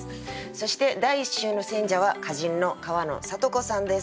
そして第１週の選者は歌人の川野里子さんです。